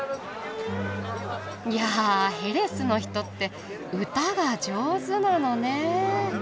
いやヘレスの人って歌が上手なのねえ。